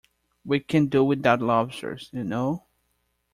We can do without lobsters, you know.